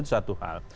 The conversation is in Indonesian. itu satu hal